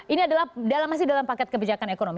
ini adalah masih dalam paket kebijakan ekonomi